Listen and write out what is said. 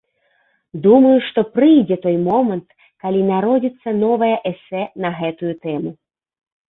Думаю, што прыйдзе той момант, калі народзіцца новае эсэ на гэтую тэму.